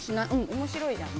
面白いじゃんね。